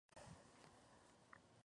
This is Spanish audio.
¿Han visitado?